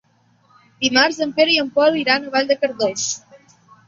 Dimarts en Pere i en Pol iran a Vall de Cardós.